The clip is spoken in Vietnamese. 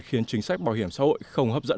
khiến chính sách bảo hiểm xã hội không hấp dẫn